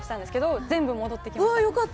全部戻ってきました。